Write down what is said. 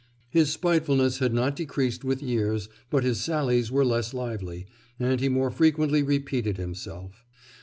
His spitefulness had not decreased with years, but his sallies were less lively, and he more frequently repeated himself.